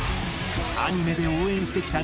アニメで応援してきた